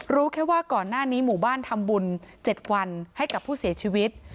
รู้แค่ว่าก่อนหน้านี้หมู่บ้านทำบุญ๗วันให้กับผู้เสียชีวิต